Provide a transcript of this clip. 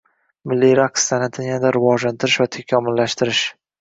milliy raqs san’atini yanada rivojlantirish va takomillashtirish